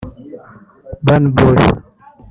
Burna Boy